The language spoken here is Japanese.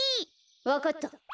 わかった。